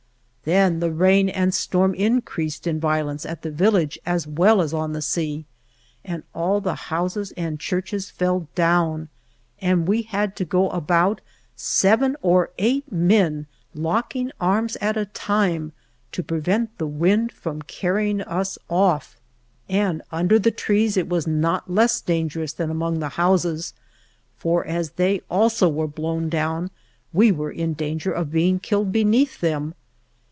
Then the rain and storm increased in violence at the village, as well as on the sea, and all the houses and the churches fell down, and we had to go about, seven or eight men locking arms at a time, to prevent the wind from carrying us off, and under the trees it was not less dangerous than among the houses, for as they also were blown down we were in danger of being killed beneath them.